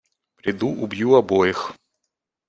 Приду - убью обоих!